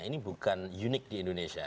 ini bukan unik di indonesia